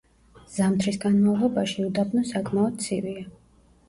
ზამთრის განმავლობაში, უდაბნო საკმაოდ ცივია.